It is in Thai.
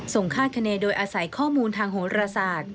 คาดคณีโดยอาศัยข้อมูลทางโหรศาสตร์